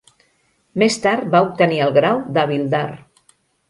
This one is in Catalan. Més tard va obtenir el grau d'havildar.